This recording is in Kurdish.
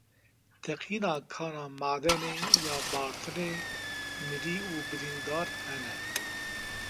Teqîna kana madenê ya Bartinê, mirî û birîndar hene.